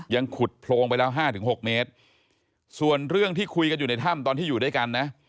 ขุดโพรงไปแล้วห้าถึงหกเมตรส่วนเรื่องที่คุยกันอยู่ในถ้ำตอนที่อยู่ด้วยกันนะ